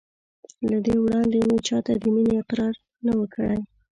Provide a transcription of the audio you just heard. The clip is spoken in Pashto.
له دې وړاندې مې چا ته د مینې اقرار نه و کړی.